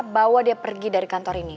bawa dia pergi dari kantor ini